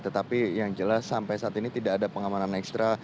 tetapi yang jelas sampai saat ini tidak ada pengamanan ekstra